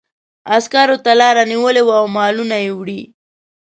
عسکرو ته لاره نیولې وه او مالونه یې وړي.